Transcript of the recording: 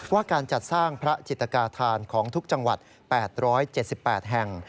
ว่าการจัดสร้างพระจิตกาธานของทุกจังหวัด๘๗๘แห่ง